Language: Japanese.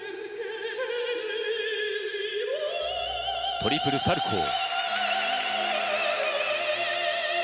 トリプルサルコー。